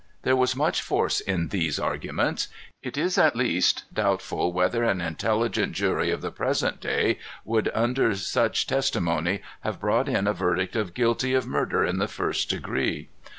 There was much force in these arguments. It is at least doubtful whether an intelligent jury of the present day would under such testimony have brought in a verdict of guilty of murder in the first degree.